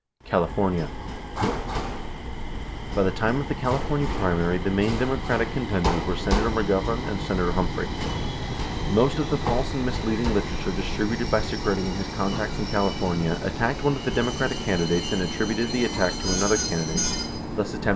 82 California: By the time of the California primary, the main Demo cratic contenders Were Senator McGovern and Senator Humphrey. Most of the false and misleading literature distributed by Segretti and his contacts in California attacked one of the Democratic candidates and attributed the attack to another candidate, thus attempting to 76 11 Hearings 4392.